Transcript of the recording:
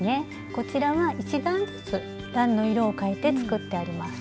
こちらは１段ずつ段の色を変えて作ってあります。